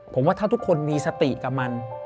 ผมว่าถ้าทุกคนมีสติกับมัน